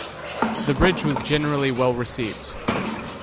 The bridge was generally well received.